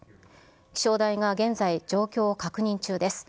気象台が現在状況を確認中です。